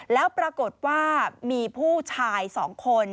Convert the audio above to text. แล้วปรากฏว่ามีผู้ชาย๒คน